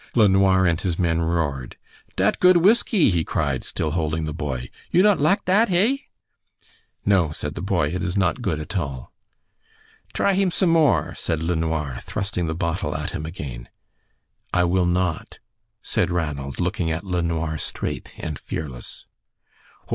LeNoir and his men roared. "Dat good whiskey," he cried, still holding the boy. "You not lak dat, hey?" "No," said the boy, "it is not good at all." "Try heem some more," said LeNoir, thrusting the bottle at him again. "I will not," said Ranald, looking at LeNoir straight and fearless. "Ho ho!